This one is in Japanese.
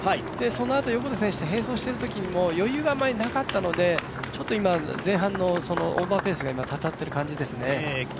そのあと、横手選手と並走しているときには余裕があまりなかったので、今、前半のオーバーペースがたたっている感じですね。